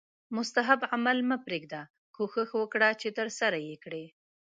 مستحب عمل هم مه پریږده کوښښ وکړه چې ترسره یې کړې